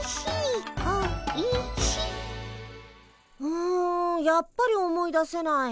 うんやっぱり思い出せない。